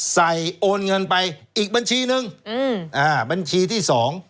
ใส่โอนเงินไปอีกบัญชีหนึ่งบัญชีที่๒